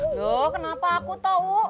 aduh kenapa aku tau